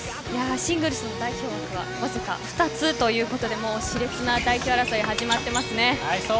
シングルスの代表枠はわずか２つということでし烈な代表争い始まっていますね。